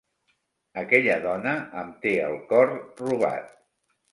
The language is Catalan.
Aquella dona em té el cor robat.